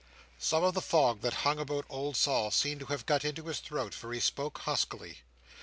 Some of the fog that hung about old Sol seemed to have got into his throat; for he spoke huskily.